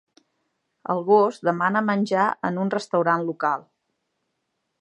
El gos demana menjar en un restaurant local.